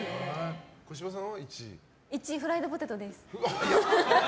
１位、フライドポテトです。